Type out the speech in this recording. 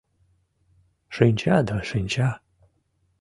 — Шинча да шинча!